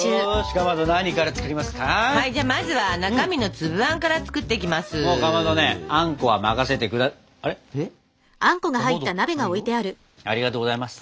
かまどありがとうございます。